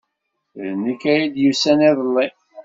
D nekk ay d-yusan iḍelli.